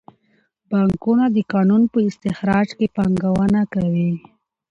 بانکونه د کانونو په استخراج کې پانګونه کوي.